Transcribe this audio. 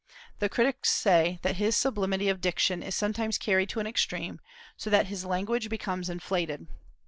The critics say that his sublimity of diction is sometimes carried to an extreme, so that his language becomes inflated.